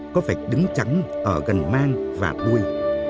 có vạch đứng trắng ở gần mang và đuôi